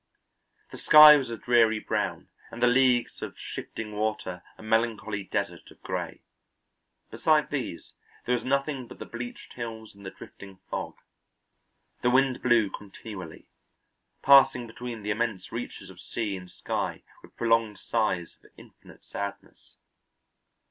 The sky was a dreary brown and the leagues of shifting water a melancholy desert of gray. Besides these there was nothing but the bleached hills and the drifting fog; the wind blew continually, passing between the immense reaches of sea and sky with prolonged sighs of infinite sadness.